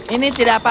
ini tidak apa